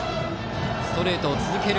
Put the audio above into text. ストレートを続ける。